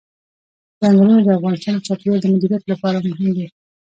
ځنګلونه د افغانستان د چاپیریال د مدیریت لپاره مهم دي.